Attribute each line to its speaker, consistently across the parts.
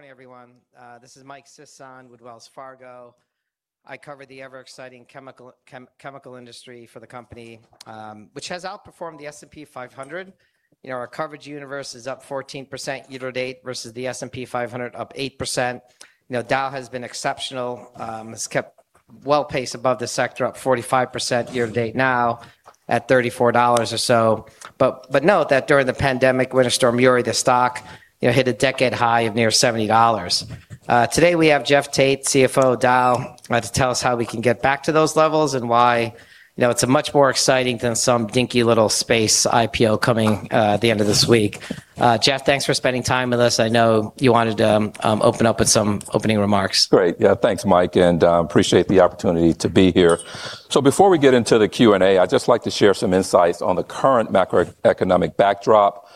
Speaker 1: Morning, everyone. This is Mike Sison with Wells Fargo. I cover the ever exciting Chemical Industry for the company, which has outperformed the S&P 500. Our coverage universe is up 14% year-to-date versus the S&P 500 up 8%. Dow has been exceptional. It's kept well paced above the sector, up 45% year-to-date now at $34 or so. Note that during the pandemic Winter Storm Uri, the stock hit a decade high of near $70. Today we have Jeff Tate, CFO of Dow, to tell us how we can get back to those levels and why it's much more exciting than some dinky little SpaceX IPO coming at the end of this week. Jeff, thanks for spending time with us. I know you wanted to open up with some opening remarks.
Speaker 2: Thanks, Mike, appreciate the opportunity to be here. Before we get into the Q&A, I'd just like to share some insights on the current macroeconomic backdrop,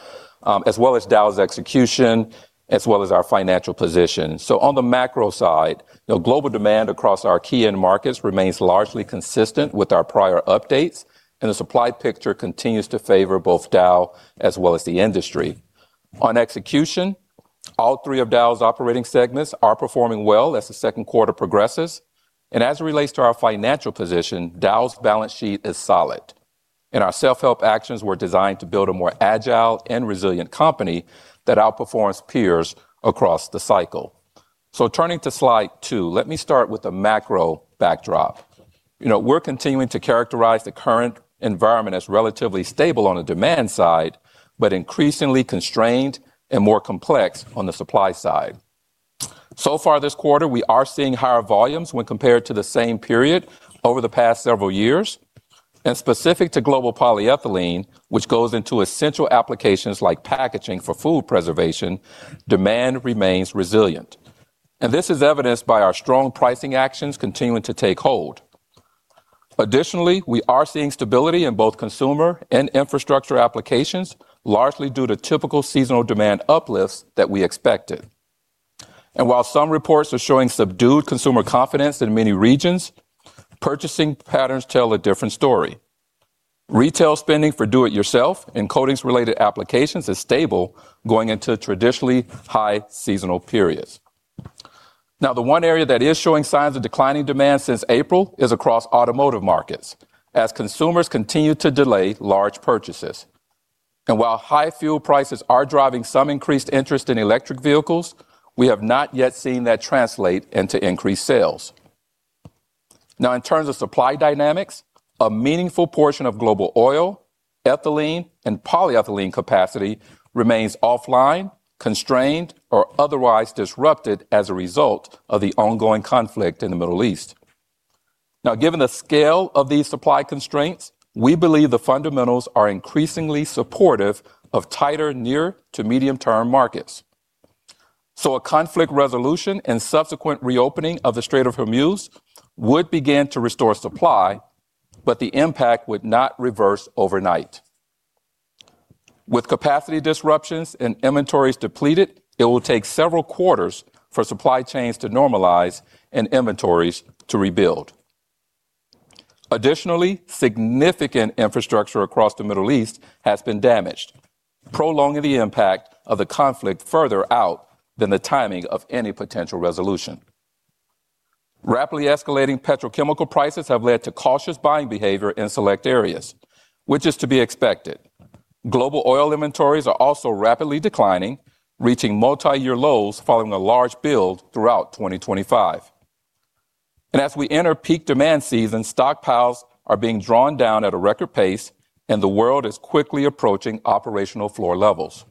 Speaker 2: as well as Dow's execution, as well as our financial position. On the macro side, global demand across our key end markets remains largely consistent with our prior updates, and the supply picture continues to favor both Dow as well as the industry. On execution, all three of Dow's operating segments are performing well as the second quarter progresses. As it relates to our financial position, Dow's balance sheet is solid, and our self-help actions were designed to build a more agile and resilient company that outperforms peers across the cycle. Turning to slide two, let me start with the macro backdrop. We're continuing to characterize the current environment as relatively stable on the demand side, increasingly constrained and more complex on the supply side. So far this quarter, we are seeing higher volumes when compared to the same period over the past several years. Specific to global polyethylene, which goes into essential applications like packaging for food preservation, demand remains resilient. This is evidenced by our strong pricing actions continuing to take hold. Additionally, we are seeing stability in both consumer and infrastructure applications, largely due to typical seasonal demand uplifts that we expected. While some reports are showing subdued consumer confidence in many regions, purchasing patterns tell a different story. Retail spending for do-it-yourself and coatings related applications is stable going into traditionally high seasonal periods. The one area that is showing signs of declining demand since April is across Automotive markets, as consumers continue to delay large purchases. While high fuel prices are driving some increased interest in electric vehicles, we have not yet seen that translate into increased sales. In terms of supply dynamics, a meaningful portion of global oil, ethylene, and polyethylene capacity remains offline, constrained, or otherwise disrupted as a result of the ongoing conflict in the Middle East. Given the scale of these supply constraints, we believe the fundamentals are increasingly supportive of tighter near-to-medium-term markets. A conflict resolution and subsequent reopening of the Strait of Hormuz would begin to restore supply, but the impact would not reverse overnight. With capacity disruptions and inventories depleted, it will take several quarters for supply chains to normalize and inventories to rebuild. Additionally, significant infrastructure across the Middle East has been damaged, prolonging the impact of the conflict further out than the timing of any potential resolution. Rapidly escalating petrochemical prices have led to cautious buying behavior in select areas, which is to be expected. Global oil inventories are also rapidly declining, reaching multi-year lows following a large build throughout 2025. As we enter peak demand season, stockpiles are being drawn down at a record pace, and the world is quickly approaching operational floor levels.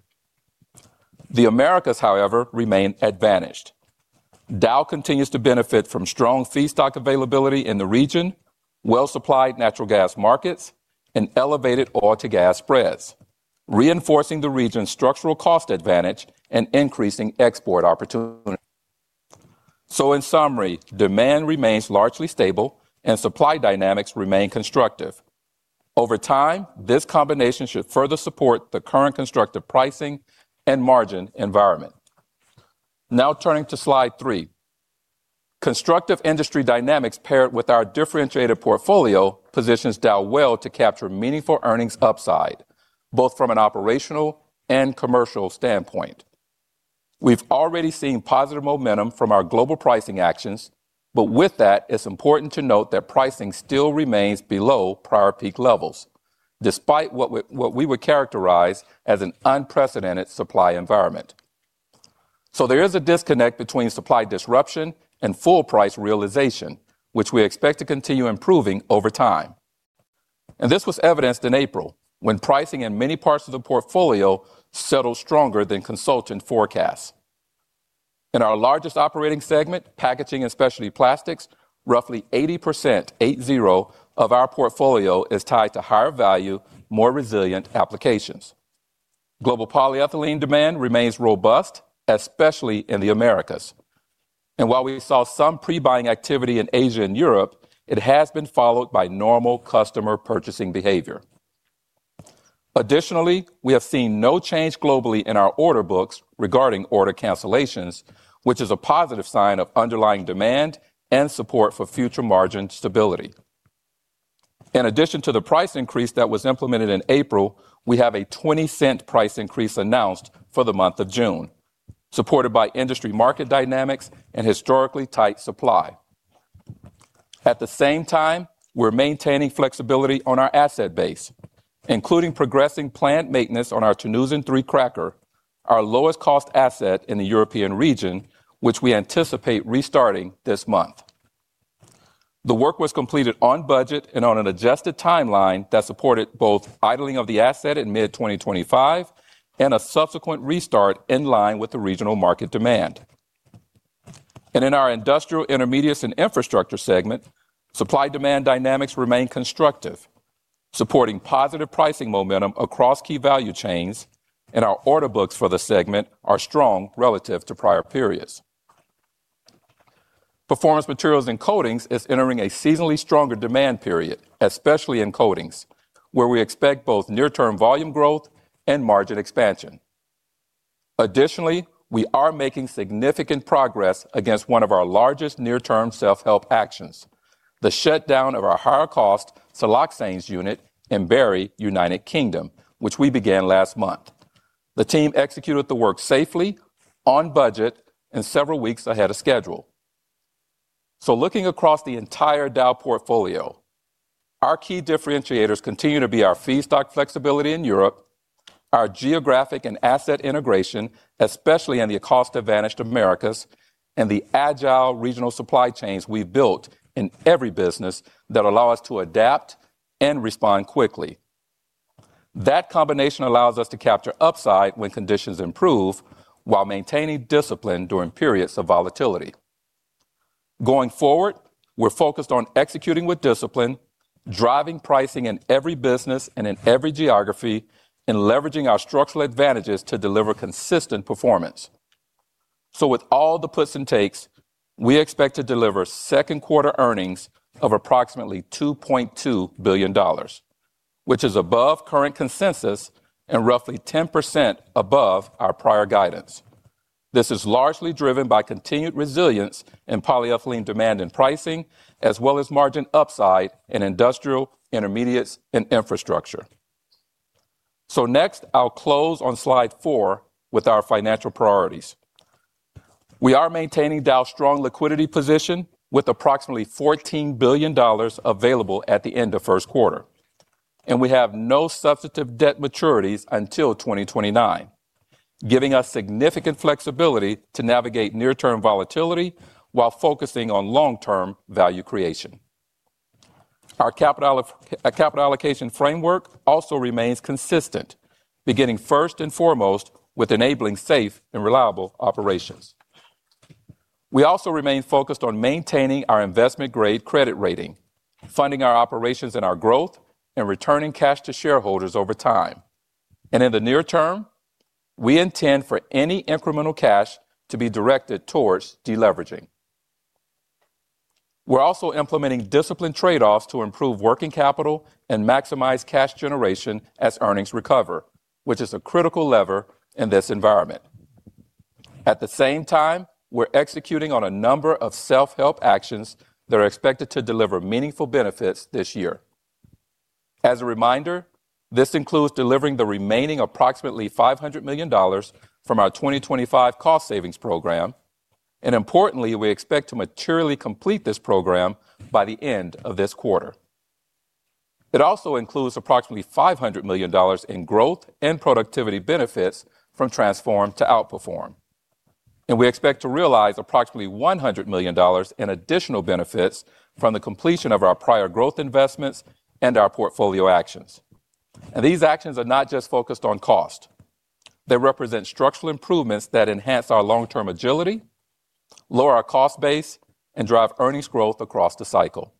Speaker 2: The Americas, however, remain advantaged. Dow continues to benefit from strong feedstock availability in the region, well-supplied natural gas markets, and elevated oil to gas spreads, reinforcing the region's structural cost advantage and increasing export opportunities. In summary, demand remains largely stable, and supply dynamics remain constructive. Over time, this combination should further support the current constructive pricing and margin environment. Turning to slide three. Constructive industry dynamics paired with our differentiated portfolio positions Dow well to capture meaningful earnings upside, both from an operational and commercial standpoint. We've already seen positive momentum from our global pricing actions, but with that, it's important to note that pricing still remains below prior peak levels, despite what we would characterize as an unprecedented supply environment. There is a disconnect between supply disruption and full price realization, which we expect to continue improving over time. This was evidenced in April when pricing in many parts of the portfolio settled stronger than consultant forecasts. In our largest operating segment, Packaging and Specialty Plastics, roughly 80% of our portfolio is tied to higher value, more resilient applications. Global polyethylene demand remains robust, especially in the Americas. While we saw some pre-buying activity in Asia and Europe, it has been followed by normal customer purchasing behavior. Additionally, we have seen no change globally in our order books regarding order cancellations, which is a positive sign of underlying demand and support for future margin stability. In addition to the price increase that was implemented in April, we have a $0.20 price increase announced for the month of June, supported by industry market dynamics and historically tight supply. At the same time, we're maintaining flexibility on our asset base, including progressing plant maintenance on our Terneuzen 3 Cracker, our lowest cost asset in the European region, which we anticipate restarting this month. The work was completed on budget and on an adjusted timeline that supported both idling of the asset in mid-2025 and a subsequent restart in line with the regional market demand. In our Industrial Intermediates & Infrastructure segment, supply demand dynamics remain constructive, supporting positive pricing momentum across key value chains, and our order books for the segment are strong relative to prior periods. Performance Materials & Coatings is entering a seasonally stronger demand period, especially in Coatings, where we expect both near-term volume growth and margin expansion. Additionally, we are making significant progress against one of our largest near-term self-help actions, the shutdown of our higher cost siloxanes unit in Barry, United Kingdom, which we began last month. The team executed the work safely, on budget, and several weeks ahead of schedule. Looking across the entire Dow portfolio, our key differentiators continue to be our feedstock flexibility in Europe, our geographic and asset integration, especially in the cost-advantaged Americas, and the agile regional supply chains we've built in every business that allow us to adapt and respond quickly. That combination allows us to capture upside when conditions improve while maintaining discipline during periods of volatility. Going forward, we're focused on executing with discipline, driving pricing in every business and in every geography, and leveraging our structural advantages to deliver consistent performance. With all the puts and takes, we expect to deliver second quarter earnings of approximately $2.2 billion, which is above current consensus and roughly 10% above our prior guidance. This is largely driven by continued resilience in polyethylene demand and pricing, as well as margin upside in Industrial Intermediates & Infrastructure. Next, I'll close on slide four with our financial priorities. We are maintaining Dow's strong liquidity position with approximately $14 billion available at the end of first quarter, and we have no substantive debt maturities until 2029, giving us significant flexibility to navigate near-term volatility while focusing on long-term value creation. Our capital allocation framework also remains consistent, beginning first and foremost with enabling safe and reliable operations. We also remain focused on maintaining our investment-grade credit rating, funding our operations and our growth, and returning cash to shareholders over time. In the near term, we intend for any incremental cash to be directed towards deleveraging. We're also implementing disciplined trade-offs to improve working capital and maximize cash generation as earnings recover, which is a critical lever in this environment. At the same time, we're executing on a number of self-help actions that are expected to deliver meaningful benefits this year. As a reminder, this includes delivering the remaining approximately $500 million from our 2025 cost savings program, and importantly, we expect to materially complete this program by the end of this quarter. It also includes approximately $500 million in growth and productivity benefits from Transform to Outperform, and we expect to realize approximately $100 million in additional benefits from the completion of our prior growth investments and our portfolio actions. These actions are not just focused on cost. They represent structural improvements that enhance our long-term agility, lower our cost base, and drive earnings growth across the cycle.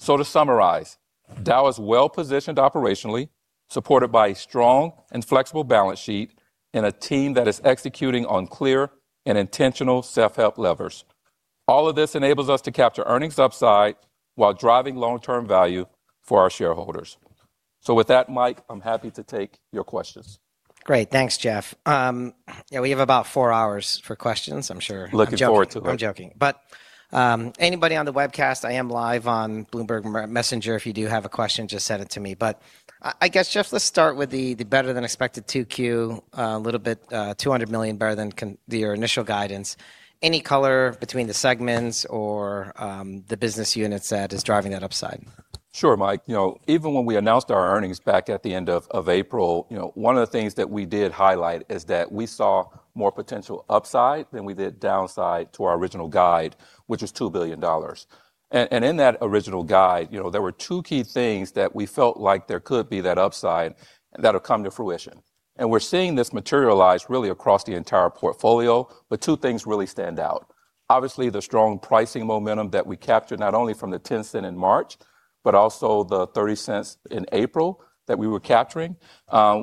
Speaker 2: To summarize, Dow is well-positioned operationally, supported by a strong and flexible balance sheet and a team that is executing on clear and intentional self-help levers. All of this enables us to capture earnings upside while driving long-term value for our shareholders. With that, Mike, I'm happy to take your questions.
Speaker 1: Great. Thanks, Jeff. We have about four hours for questions, I'm sure.
Speaker 2: Looking forward to it.
Speaker 1: I'm joking. Anybody on the webcast, I am live on Bloomberg, Messenger. If you do have a question, just send it to me. I guess, Jeff, let's start with the better-than-expected 2Q, a little bit, $200 million better than your initial guidance. Any color between the segments or the business units that is driving that upside?
Speaker 2: Sure, Mike. Even when we announced our earnings back at the end of April, one of the things that we did highlight is that we saw more potential upside than we did downside to our original guide, which was $2 billion. In that original guide, there were two key things that we felt like there could be that upside that will come to fruition. We're seeing this materialize really across the entire portfolio. Two things really stand out. Obviously, the strong pricing momentum that we captured not only from the $0.10 in March, but also the $0.30 in April that we were capturing,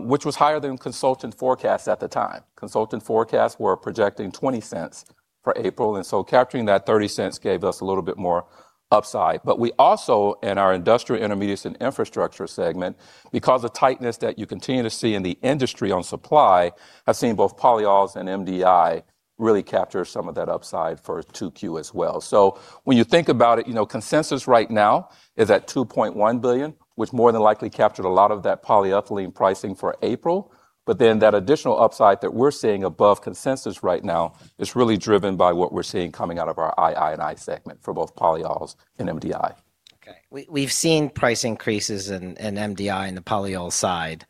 Speaker 2: which was higher than consultant forecasts at the time. Consultant forecasts were projecting $0.20 for April. So capturing that $0.30 gave us a little bit more upside. We also, in our Industrial Intermediates & Infrastructure segment, because the tightness that you continue to see in the industry on supply, have seen both polyols and MDI really capture some of that upside for 2Q as well. When you think about it, consensus right now is at $2.1 billion, which more than likely captured a lot of that polyethylene pricing for April. That additional upside that we're seeing above consensus right now is really driven by what we're seeing coming out of our II&I segment for both polyols and MDI.
Speaker 1: Okay. We've seen price increases in MDI in the polyol side.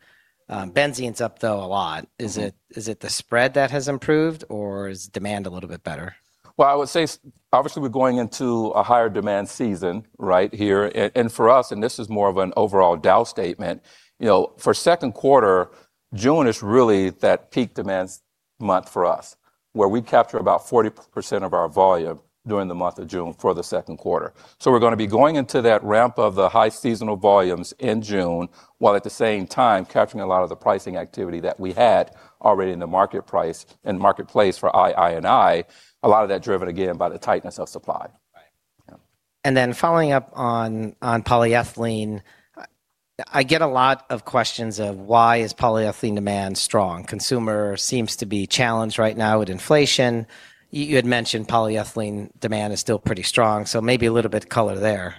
Speaker 1: Benzene's up, though, a lot. Is it the spread that has improved, or is demand a little bit better?
Speaker 2: Well, I would say obviously we're going into a higher demand season right here. For us, and this is more of an overall Dow statement, for second quarter, June is really that peak demand month for us, where we capture about 40% of our volume during the month of June for the second quarter. We're going to be going into that ramp of the high seasonal volumes in June, while at the same time capturing a lot of the pricing activity that we had already in the market price and marketplace for II&I, a lot of that driven, again, by the tightness of supply.
Speaker 1: Following up on polyethylene, I get a lot of questions of why is polyethylene demand strong. Consumer seems to be challenged right now with inflation. You had mentioned polyethylene demand is still pretty strong, so maybe a little bit of color there.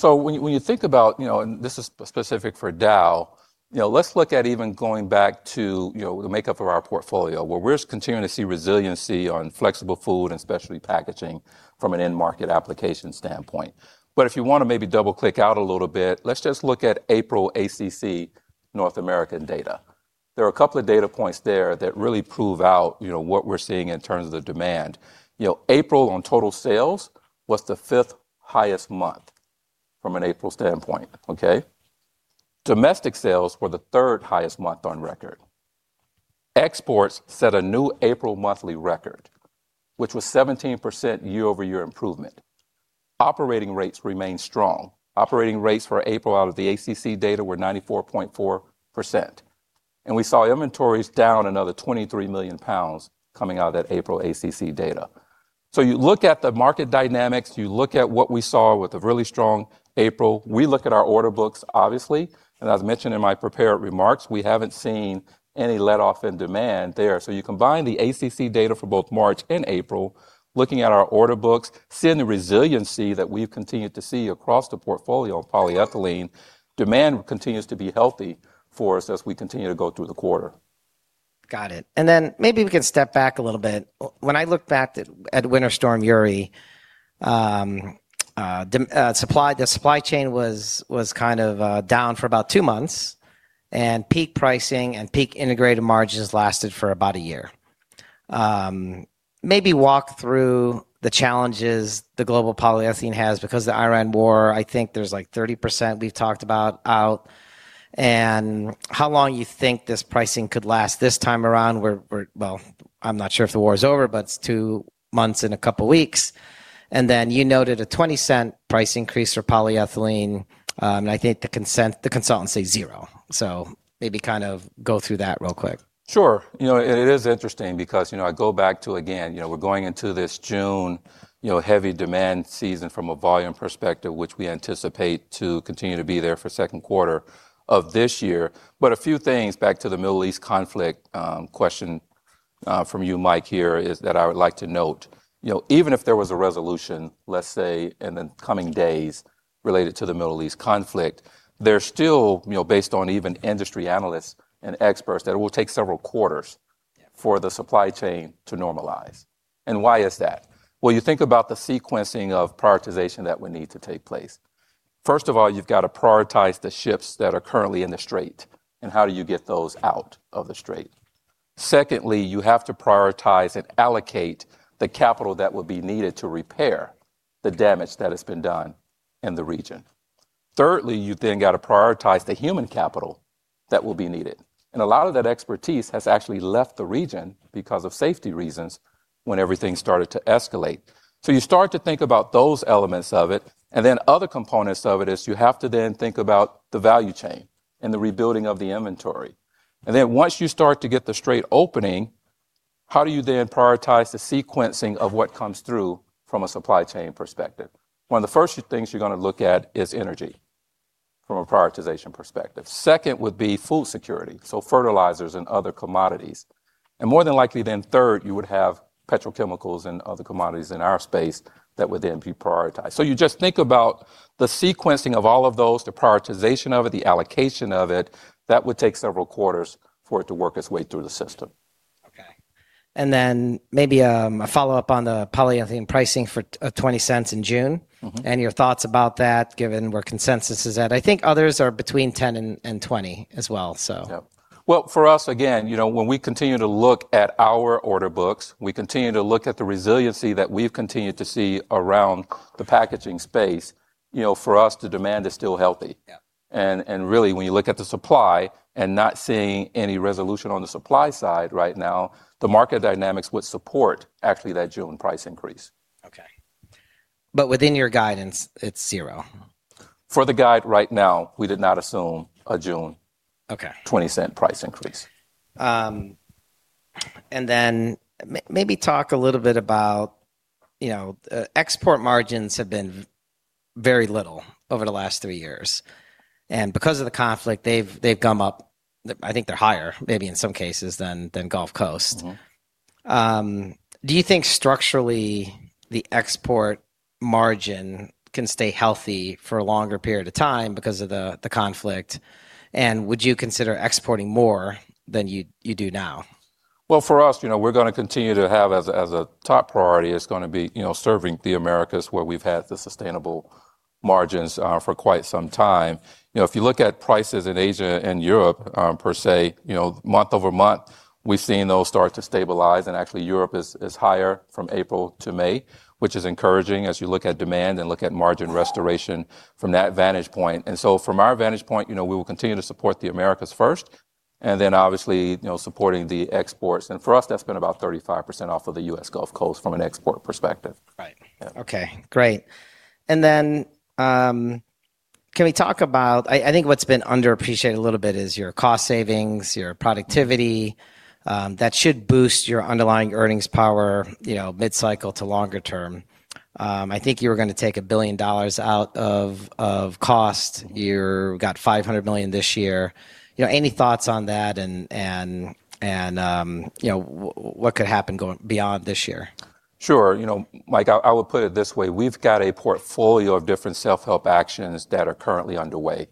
Speaker 2: When you think about, and this is specific for Dow, let's look at even going back to the makeup of our portfolio, where we're continuing to see resiliency on flexible food and specialty packaging from an end market application standpoint. If you want to maybe double-click out a little bit, let's just look at April ACC North American data. There are a couple of data points there that really prove out what we're seeing in terms of the demand. April, on total sales, was the fifth highest month from an April standpoint, okay? Domestic sales were the third highest month on record. Exports set a new April monthly record, which was 17% year-over-year improvement. Operating rates remained strong. Operating rates for April out of the ACC data were 94.4%. We saw inventories down another 23 million pounds coming out of that April ACC data. You look at the market dynamics, you look at what we saw with a really strong April. We look at our order books, obviously, and as mentioned in my prepared remarks, we haven't seen any letoff in demand there. You combine the ACC data for both March and April, looking at our order books, seeing the resiliency that we've continued to see across the portfolio on polyethylene, demand continues to be healthy for us as we continue to go through the quarter.
Speaker 1: Got it. Maybe we can step back a little bit. When I look back at Winter Storm Uri, the supply chain was down for about two months, and peak pricing and peak integrated margins lasted for about a year. Maybe walk through the challenges the global polyethylene has because of the Iran war. I think there's, like, 30% we've talked about out. How long you think this pricing could last this time around, I'm not sure if the war is over, but it's two months in a couple of weeks. You noted a $0.20 price increase for polyethylene. I think the consultants say zero. Maybe kind of go through that real quick.
Speaker 2: Sure. It is interesting because I go back to, again, we're going into this June heavy demand season from a volume perspective, which we anticipate to continue to be there for second quarter of this year. A few things back to the Middle East conflict question from you, Mike, here, is that I would like to note. Even if there was a resolution, let's say, in the coming days related to the Middle East conflict, there's still, based on even industry analysts and experts, that it will take several quarters for the supply chain to normalize. Why is that? You think about the sequencing of prioritization that would need to take place. First of all, you've got to prioritize the ships that are currently in the strait, and how do you get those out of the strait? Secondly, you have to prioritize and allocate the capital that would be needed to repair the damage that has been done in the region. Thirdly, you got to prioritize the human capital that will be needed. A lot of that expertise has actually left the region because of safety reasons when everything started to escalate. You start to think about those elements of it, other components of it is you have to then think about the value chain and the rebuilding of the inventory. Once you start to get the strait opening, how do you then prioritize the sequencing of what comes through from a supply chain perspective? One of the first things you're going to look at is energy from a prioritization perspective. Second would be food security, so fertilizers and other commodities. More than likely third, you would have petrochemicals and other commodities in our space that would then be prioritized. You just think about the sequencing of all of those, the prioritization of it, the allocation of it. That would take several quarters for it to work its way through the system.
Speaker 1: Okay. Maybe a follow-up on the polyethylene pricing for $0.20 in June. Your thoughts about that, given where consensus is at. I think others are between 10 and 20 as well.
Speaker 2: Yep. Well, for us, again, when we continue to look at our order books, we continue to look at the resiliency that we've continued to see around the packaging space. For us, the demand is still healthy. Really, when you look at the supply and not seeing any resolution on the supply side right now, the market dynamics would support actually that June price increase.
Speaker 1: Okay. Within your guidance, it's zero.
Speaker 2: For the guide right now, we did not assume a June $0.20 price increase.
Speaker 1: Maybe talk a little bit about export margins have been very little over the last three years. Because of the conflict, they've come up, I think they're higher maybe in some cases than Gulf Coast. Do you think structurally the export margin can stay healthy for a longer period of time because of the conflict, and would you consider exporting more than you do now?
Speaker 2: Well, for us, we're going to continue to have as a top priority is going to be serving the Americas where we've had the sustainable margins for quite some time. If you look at prices in Asia and Europe per se, month-over-month, we've seen those start to stabilize, and actually Europe is higher from April to May, which is encouraging as you look at demand and look at margin restoration from that vantage point. From our vantage point, we will continue to support the Americas first, then obviously supporting the exports. For us, that's been about 35% off of the U.S. Gulf Coast from an export perspective
Speaker 1: Okay, great. Can we talk about, I think what's been underappreciated a little bit is your cost savings, your productivity, that should boost your underlying earnings power mid-cycle to longer-term. I think you were going to take $1 billion out of cost. You got $500 million this year. Any thoughts on that and what could happen going beyond this year?
Speaker 2: Sure. Mike, I will put it this way. We've got a portfolio of different self-help actions that are currently underway.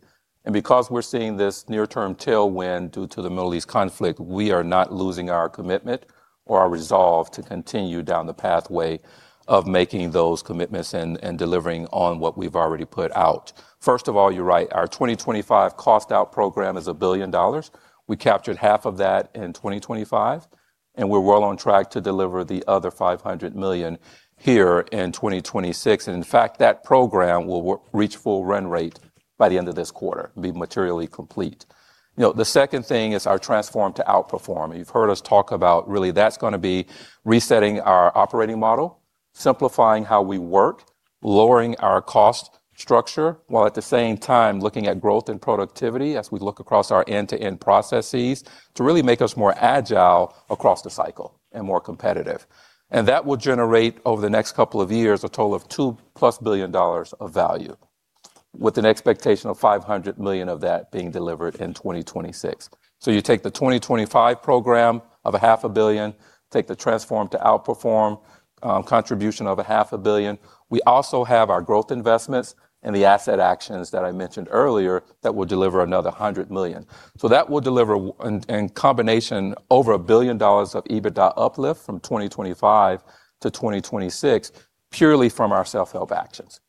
Speaker 2: Because we're seeing this near-term tailwind due to the Middle East conflict, we are not losing our commitment or our resolve to continue down the pathway of making those commitments and delivering on what we've already put out. First of all, you're right, our 2025 cost-out program is $1 billion. We captured 1/2 of that in 2025, we're well on track to deliver the other $500 million here in 2026. In fact, that program will reach full run rate by the end of this quarter, be materially complete. The second thing is our Transform to Outperform. You've heard us talk about really that's going to be resetting our operating model, simplifying how we work, lowering our cost structure, while at the same time looking at growth and productivity as we look across our end-to-end processes to really make us more agile across the cycle and more competitive. That will generate, over the next couple of years, a total of $2+ billion of value with an expectation of $500 million of that being delivered in 2026. You take the 2025 program of $500 million, take the Transform to Outperform contribution of $500 million. We also have our growth investments and the asset actions that I mentioned earlier that will deliver another $100 million. That will deliver in combination over $1 billion of EBITDA uplift from 2025 to 2026, purely from our self-help actions.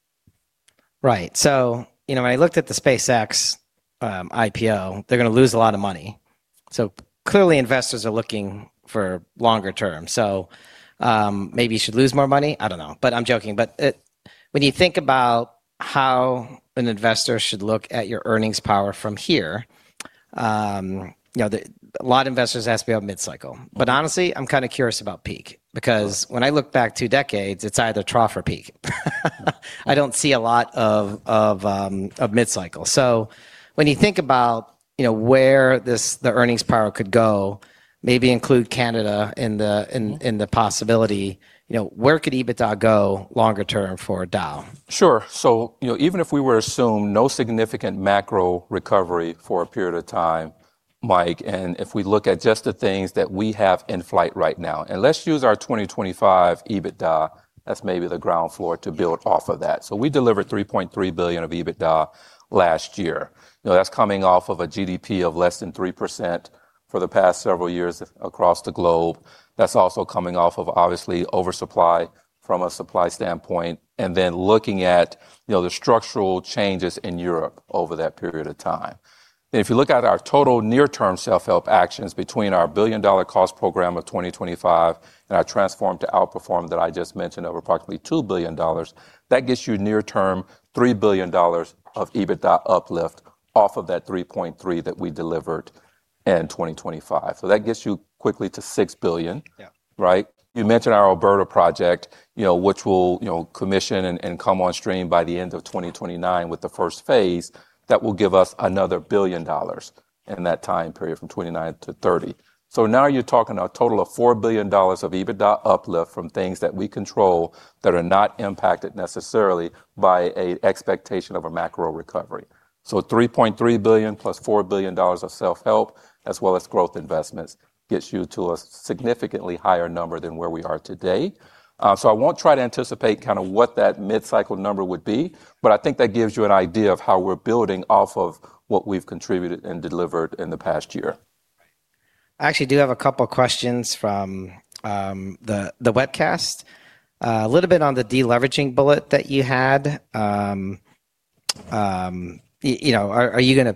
Speaker 1: Right. When I looked at the SpaceX IPO, they're going to lose a lot of money. Clearly investors are looking for longer-term. Maybe you should lose more money? I don't know. I'm joking. When you think about how an investor should look at your earnings power from here, a lot of investors ask me about mid-cycle. Honestly, I'm kind of curious about peak, because when I look back two decades, it's either trough or peak. I don't see a lot of mid-cycle. When you think about where the earnings power could go, maybe include Canada in the possibility, where could EBITDA go longer-term for Dow?
Speaker 2: Sure. Even if we were to assume no significant macro recovery for a period of time, Mike, if we look at just the things that we have in flight right now, let's use our 2025 EBITDA as maybe the ground floor to build off of that. We delivered $3.3 billion of EBITDA last year. That is coming off of a GDP of less than 3% for the past several years across the globe. That is also coming off of obviously oversupply from a supply standpoint, then looking at the structural changes in Europe over that period of time. If you look at our total near-term self-help actions between our billion-dollar cost program of 2025 and our Transform to Outperform that I just mentioned, over approximately $2 billion, that gets you near term $3 billion of EBITDA uplift off of that $3.3 that we delivered in 2025. That gets you quickly to $6 billion.
Speaker 1: Yeah.
Speaker 2: Right? You mentioned our Alberta project which will commission and come on stream by the end of 2029 with the first phase. That will give us another $1 billion in that time period from 2029 to 2030. Now you are talking a total of $4 billion of EBITDA uplift from things that we control that are not impacted necessarily by an expectation of a macro recovery. $3.3 billion + $4 billion of self-help as well as growth investments gets you to a significantly higher number than where we are today. I won't try to anticipate kind of what that mid-cycle number would be, but I think that gives you an idea of how we're building off of what we've contributed and delivered in the past year.
Speaker 1: I actually do have a couple questions from the webcast. A little bit on the deleveraging bullet that you had. Are you going to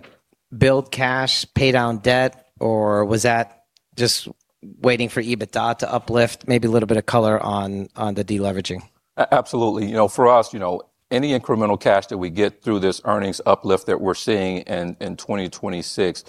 Speaker 1: build cash, pay down debt, or was that just waiting for EBITDA to uplift? Maybe a little bit of color on the deleveraging.
Speaker 2: Absolutely. For us, any incremental cash that we get through this earnings uplift that we're seeing in 2026.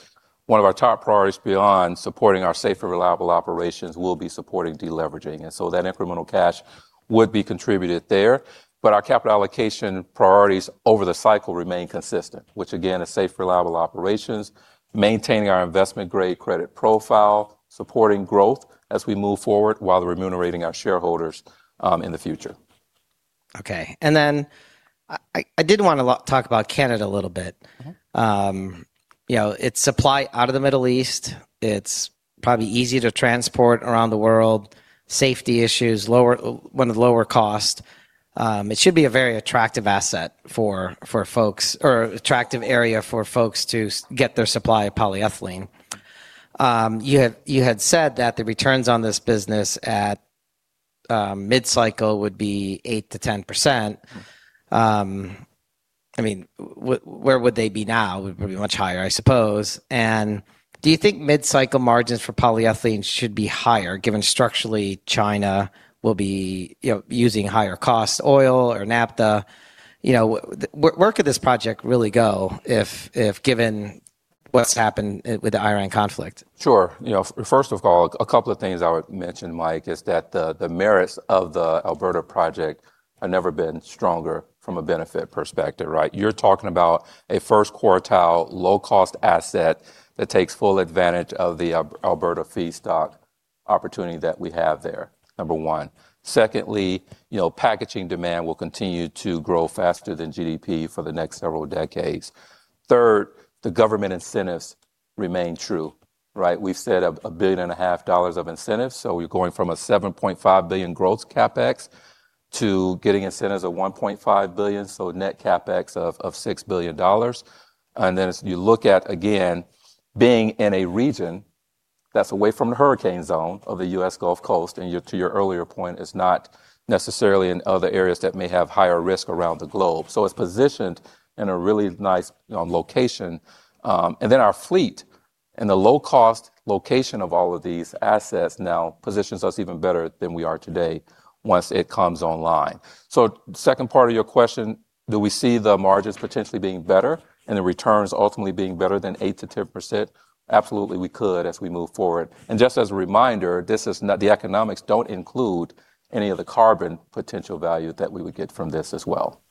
Speaker 2: One of our top priorities beyond supporting our safe and reliable operations will be supporting de-leveraging. That incremental cash would be contributed there. Our capital allocation priorities over the cycle remain consistent, which again is safe, reliable operations, maintaining our investment-grade credit profile, supporting growth as we move forward, while remunerating our shareholders in the future.
Speaker 1: Okay. I did want to talk about Canada a little bit. You know, it's supply out of the Middle East, it's probably easier to transport around the world, safety issues, one of the lower cost. It should be a very attractive asset for folks, or attractive area for folks to get their supply of polyethylene. You had said that the returns on this business at mid-cycle would be 8%-10%. I mean, where would they be now? It would be much higher, I suppose. Do you think mid-cycle margins for polyethylene should be higher, given structurally China will be, you know, using higher cost oil or naphtha? You know, where could this project really go if given what's happened with the Iran conflict?
Speaker 2: Sure. You know, first of all, a couple of things I would mention, Mike, is that the merits of the Alberta project have never been stronger from a benefit perspective, right? You're talking about a first quartile low-cost asset that takes full advantage of the Alberta feedstock opportunity that we have there, number one. Secondly, you know, packaging demand will continue to grow faster than GDP for the next several decades. Third, the government incentives remain true, right? We've set up $1.5 billion of incentives, so we're going from a $7.5 billion growth CapEx to getting incentives of $1.5 billion, so net CapEx of $6 billion. As you look at, again, being in a region that's away from the hurricane zone of the U.S. Gulf Coast, and to your earlier point, is not necessarily in other areas that may have higher risk around the globe. It's positioned in a really nice, you know, location. Our fleet and the low cost location of all of these assets now positions us even better than we are today once it comes online. Second part of your question, do we see the margins potentially being better and the returns ultimately being better than 8%-10%? Absolutely, we could as we move forward. Just as a reminder, the economics don't include any of the carbon potential value that we would get from this as well.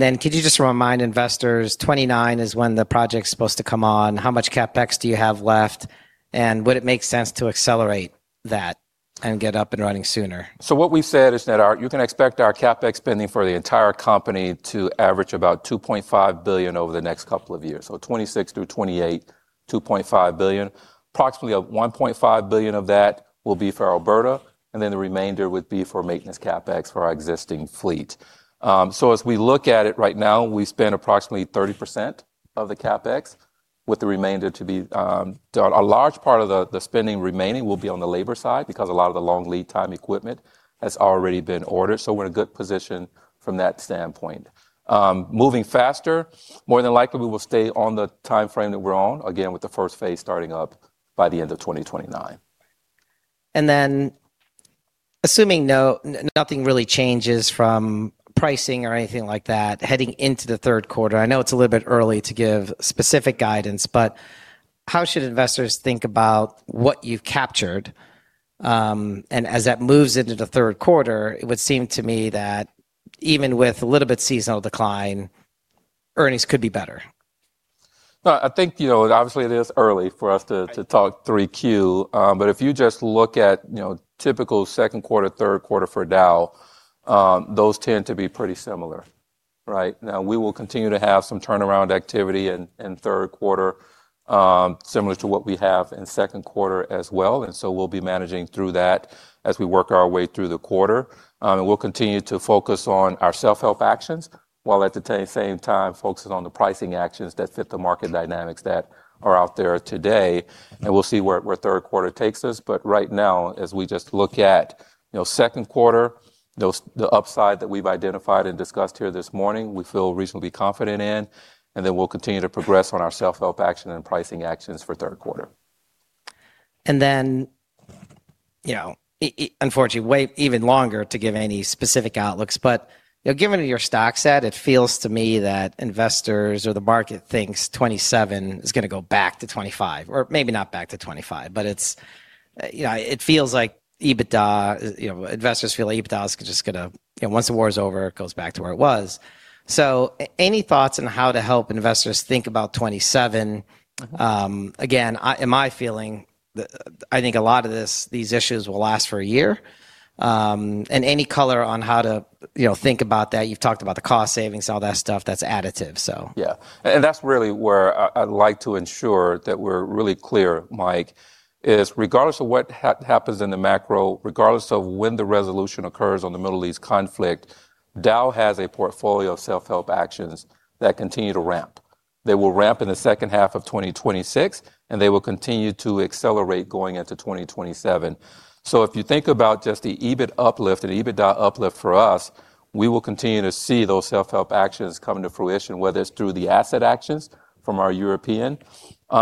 Speaker 2: Yeah.
Speaker 1: Could you just remind investors, 2029 is when the project's supposed to come on. How much CapEx do you have left? Would it make sense to accelerate that and get up and running sooner?
Speaker 2: What we've said is that you can expect our CapEx spending for the entire company to average about $2.5 billion over the next couple of years. 2026 through 2028, $2.5 billion. Approximately $1.5 billion of that will be for Alberta, the remainder would be for maintenance CapEx for our existing fleet. As we look at it right now, we spent approximately 30% of the CapEx, with the remainder to be, A large part of the spending remaining will be on the labor side because a lot of the long lead time equipment has already been ordered. We're in a good position from that standpoint. Moving faster, more than likely we will stay on the timeframe that we're on, again, with the first phase starting up by the end of 2029.
Speaker 1: Assuming nothing really changes from pricing or anything like that heading into the third quarter, I know it's a little bit early to give specific guidance, how should investors think about what you've captured? As that moves into the third quarter, it would seem to me that even with a little bit seasonal decline, earnings could be better.
Speaker 2: No, I think, you know, obviously it is early for us to talk 3Q. If you just look at, you know, typical second quarter, third quarter for Dow, those tend to be pretty similar. Right? We will continue to have some turnaround activity in third quarter, similar to what we have in second quarter as well. We'll be managing through that as we work our way through the quarter. We'll continue to focus on our self-help actions, while at the same time focusing on the pricing actions that fit the market dynamics that are out there today. We'll see where third quarter takes us. Right now, as we just look at, you know, second quarter, those, the upside that we've identified and discussed here this morning, we feel reasonably confident in, and then we'll continue to progress on our self-help action and pricing actions for third quarter.
Speaker 1: You know, unfortunately, wait even longer to give any specific outlooks, you know, given your stock set, it feels to me that investors or the market thinks 2027 is gonna go back to 2025, or maybe not back to 2025. It's, you know, it feels like EBITDA, you know, investors feel like EBITDA is just gonna, you know, once the war is over, it goes back to where it was. Any thoughts on how to help investors think about 2027? Again, I, in my feeling, I think a lot of this, these issues will last for a year. Any color on how to, you know, think about that? You've talked about the cost savings, all that stuff that's additive.
Speaker 2: Yeah. That's really where I'd like to ensure that we're really clear, Mike, is regardless of what happens in the macro, regardless of when the resolution occurs on the Middle East conflict, Dow has a portfolio of self-help actions that continue to ramp. They will ramp in the second half of 2026, and they will continue to accelerate going into 2027. If you think about just the EBIT uplift and EBITDA uplift for us, we will continue to see those self-help actions come to fruition, whether it's through the asset actions from our European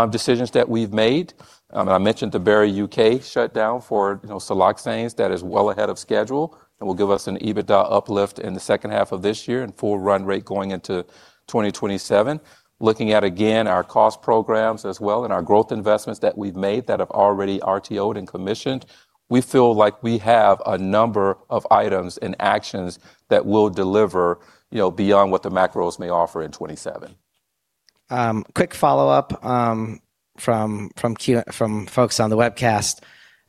Speaker 2: decisions that we've made. I mentioned the Barry, U.K. shutdown for, you know, siloxanes. That is well ahead of schedule and will give us an EBITDA uplift in the second half of this year and full run rate going into 2027. Looking at, again, our cost programs as well and our growth investments that we've made that have already RTO and commissioned, we feel like we have a number of items and actions that will deliver, you know, beyond what the macros may offer in 2027.
Speaker 1: Quick follow-up from folks on the webcast.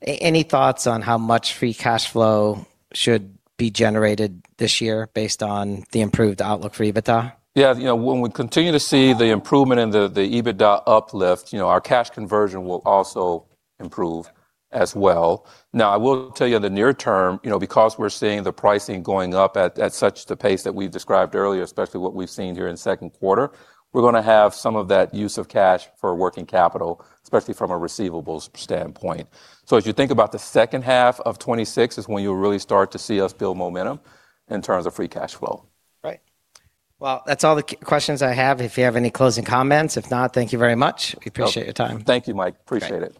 Speaker 1: Any thoughts on how much free cash flow should be generated this year based on the improved outlook for EBITDA?
Speaker 2: Yeah, you know, when we continue to see the improvement in the EBITDA uplift, you know, our cash conversion will also improve as well. Now, I will tell you in the near-term, you know, because we're seeing the pricing going up at such the pace that we've described earlier, especially what we've seen here in second quarter, we're gonna have some of that use of cash for working capital, especially from a receivables standpoint. As you think about the second half of 2026 is when you'll really start to see us build momentum in terms of free cash flow.
Speaker 1: Right. Well, that's all the questions I have. If you have any closing comments. If not, thank you very much. We appreciate your time.
Speaker 2: Thank you, Mike. Appreciate it.